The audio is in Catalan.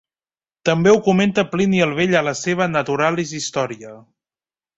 També ho comenta Plini el Vell a la seva "Naturalis Historia".